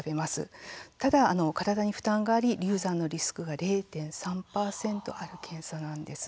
ただ、体に負担があり流産のリスクが０．３％ある検査なんです。